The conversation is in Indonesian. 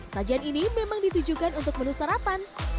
sajian ini memang ditujukan untuk menu sarapan